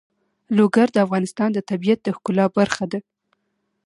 لوگر د افغانستان د طبیعت د ښکلا برخه ده.